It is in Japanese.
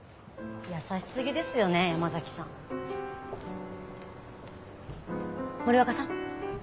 優しすぎですよね山崎さん。森若さん？